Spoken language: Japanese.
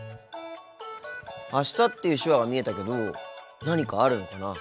「あした」っていう手話が見えたけど何かあるのかな？